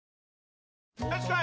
よしこい！